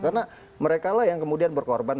karena mereka lah yang kemudian berkorban